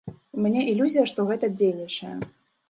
У мяне ілюзія, што гэта дзейнічае.